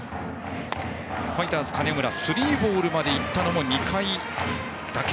ファイターズ、金村スリーボールまでいったのも２回だけ。